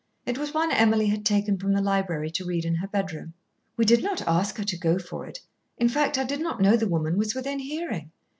It was one Emily had taken from the library to read in her bedroom. "We did not ask her to go for it. In fact I did not know the woman was within hearing.